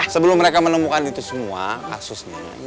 sebelum mereka menemukan itu semua kasusnya